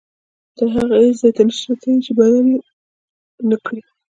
تر هغې هیڅ ځای ته نه شئ رسېدلی چې یې بدل نه کړئ.